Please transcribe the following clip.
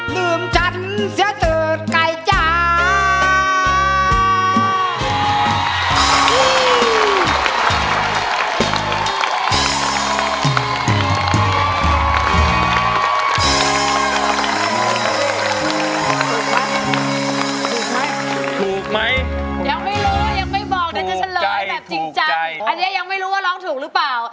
ลืมฉันเสียเจอดใกล้จ้า